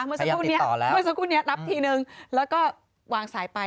เมื่อสักครู่นี้รับทีนึงแล้วก็วางสายไป